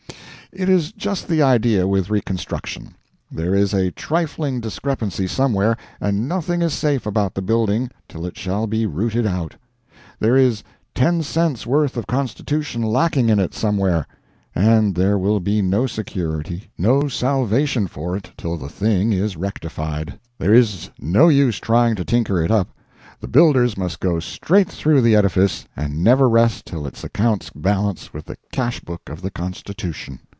It is just the idea with reconstruction. There is a trifling discrepancy somewhere, and nothing is safe about the building till it shall be rooted out. There is ten cents worth of Constitution lacking in it somewhere, and there will be no security, no salvation for it till the thing is rectified. There is no use trying to tinker it up—the builders must go straight through the edifice, and never rest till its accounts balance with the cashbook of the Constitution!